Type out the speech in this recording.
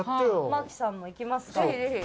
麻貴さんもいきますか？